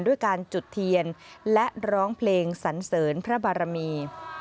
ด้วยการจุดเทียนและร้องเพลงสันเสริญพระบารมี